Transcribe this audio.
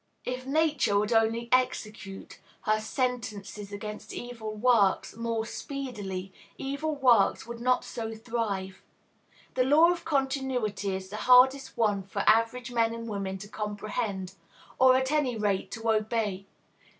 If Nature would only "execute" her "sentences against evil works" more "speedily," evil works would not so thrive. The law of continuity is the hardest one for average men and women to comprehend, or, at any rate, to obey.